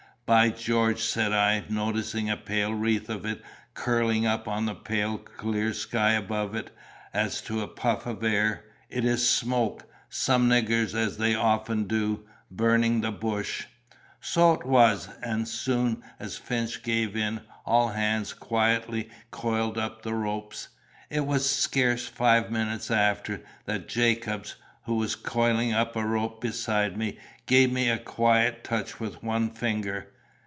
'By George!' said I, noticing a pale wreath of it go curling up on the pale clear sky over it, as to a puff of air, 'it is smoke! Some niggers, as they often do, burning the bush!' "So it was; and as soon as Finch gave in, all hands quietly coiled up the ropes. It was scarce five minutes after, that Jacobs, who was coiling up a rope beside me, gave me a quiet touch with one finger.